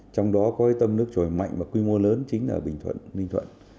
trong đó có tâm nước trời mạnh và quy mô lớn chính là bình thuận